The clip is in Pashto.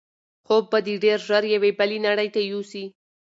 خوب به دی ډېر ژر یوې بلې نړۍ ته یوسي.